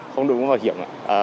không đội ngũ bảo hiểm